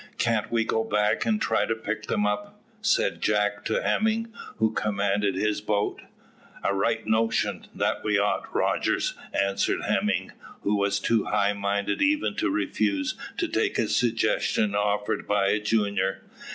Can't we go back and try to pick them up?" said Jack to Hemming, who commanded his boat. "A right notion that we ought, Rogers," answered Hemming, who was too high minded even to refuse to take a suggestion offered by a junior.